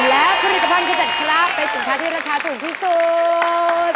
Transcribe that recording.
และผลิตภัณฑ์ขจัดคละเป็นสินค้าที่ราคาถูกที่สุด